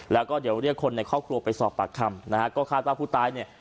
แล้วก็เดี๋ยวเรียกคนในครอบครัวไปสอบปากคำนะฮะก็คาดว่าผู้ตายเนี่ย